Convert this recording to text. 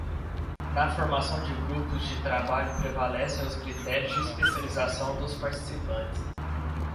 Na formação de grupos de trabalho prevalecem os critérios de especialização dos participantes.